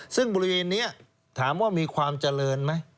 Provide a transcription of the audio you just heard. ซึ่งบริเวณนี้ถามว่ามีความเจริญไหม